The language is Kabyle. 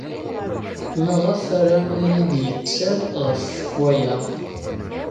Maɣef ara iyi-d-yetter ɣef waya?